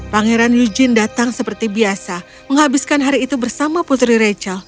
pangeran yujin datang seperti biasa menghabiskan hari itu bersama putri rachel